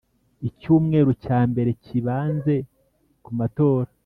Icyumweru cya mbere kibanze ku matora